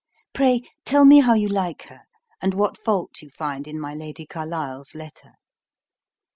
Pray, tell me how you like her, and what fault you find in my Lady Carlisle's letter?